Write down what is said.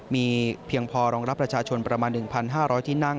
มีเพียงพอรองรับประชาชนประมาณ๑๕๐๐ที่นั่ง